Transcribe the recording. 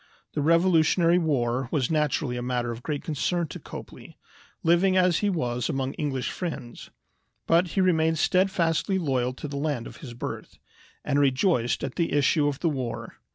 The Revolutionary War was naturally a matter of great concern to Copley, living as he was among English friends; but he remained steadfastly loyal to the land of his birth, and rejoiced at the issue of the war.